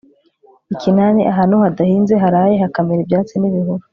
ikinani ahantu hadahinze haraye hakamera ibyatsi n'ibihuru